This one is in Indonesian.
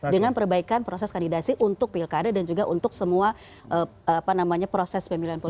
dengan perbaikan proses kandidasi untuk pilkada dan juga untuk semua proses pemilihan politik